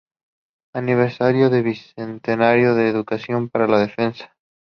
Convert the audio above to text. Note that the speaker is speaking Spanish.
Aniversario del Viceministerio de Educación para la Defensa.